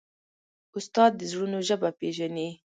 استاد د زړونو ژبه پېژني.